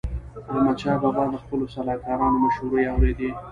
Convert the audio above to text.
احمدشاه بابا د خپلو سلاکارانو مشوري اوريدي.